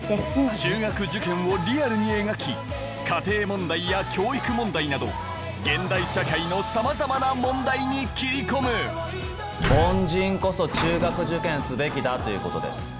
中学受験をリアルに描き家庭問題や教育問題など現代社会のさまざまな問題に切り込む凡人こそ中学受験すべきだということです。